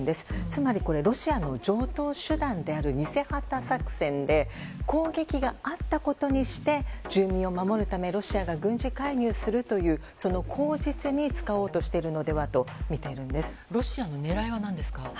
つまりロシアの常とう手段である偽旗作戦で攻撃があったことにして住民を守るためロシアが軍事介入をするというその口実に使おうとしているのではとロシアの狙いは何ですか。